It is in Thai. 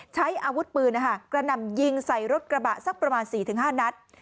ใช้อาวุธปืนกระหน่ำยิงใส่รถกระบะสักประมาณ๔๕นัด